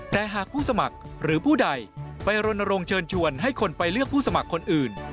แต่หากผู้สมัครหรือผู้ใดไปรณรงค์เชิญชวนให้คนไปเลือกผู้สมัครคนอื่น